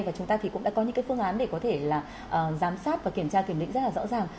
và chúng ta thì cũng đã có những cái phương án để có thể là giám sát và kiểm tra kiểm định rất là rõ ràng